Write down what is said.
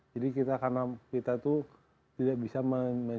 jadi kita karena kita itu tidak bisa menciptakan